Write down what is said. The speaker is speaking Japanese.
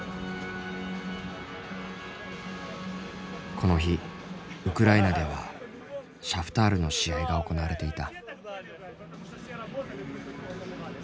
この日ウクライナではシャフタールの試合が行われていた。